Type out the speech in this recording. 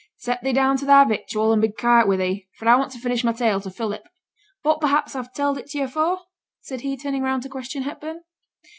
set thee down to thy victual, and be quiet wi' thee, for I want to finish my tale to Philip. But, perhaps, I've telled it yo' afore?' said he, turning round to question Hepburn.